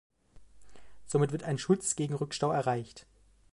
Somit wird ein Schutz gegen Rückstau erreicht.